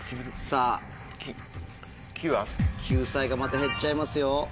さぁ救済がまた減っちゃいますよ？